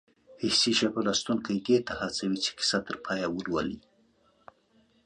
حسي ژبه لوستونکی دې ته هڅوي چې کیسه تر پایه ولولي